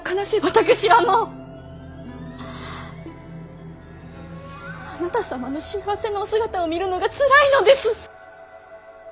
私はもうあなた様の幸せなお姿を見るのがつらいのです！